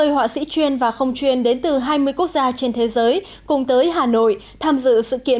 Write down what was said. ba mươi họa sĩ chuyên và không chuyên đến từ hai mươi quốc gia trên thế giới cùng tới hà nội tham dự sự kiện